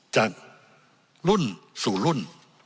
จากรุ่นสู่รุ่น